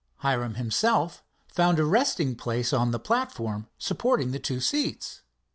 Hiram himself found a resting place on the platform supporting the two seats.